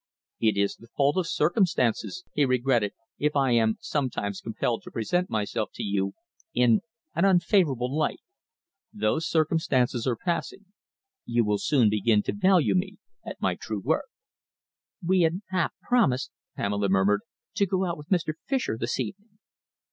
"It is the fault of circumstances," he regretted, "if I am sometimes compelled to present myself to you in an unfavourable light. Those circumstances are passing. You will soon begin to value me at my true worth." "We had half promised," Pamela murmured, "to go out with Mr. Fischer this evening."